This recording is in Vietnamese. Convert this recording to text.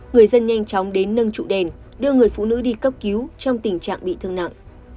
người dân nhanh chóng đến nâng trụ đèn đưa người phụ nữ đi cấp cứu trong tình trạng bị thương nặng